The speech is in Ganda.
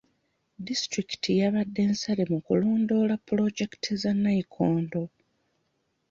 Disitulikiti yabadde nsaale mu kulondoola pulojekiti za nnayikondo.